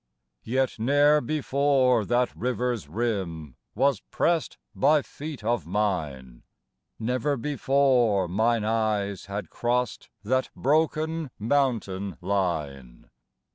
Yet ne'er before that river's rim Was pressed by feet of mine, Never before mine eyes had crossed That broken mountain line.